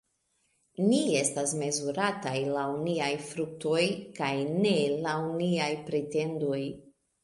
Ni estas mezurataj laŭ niaj fruktoj kaj ne laŭ niaj pretendoj!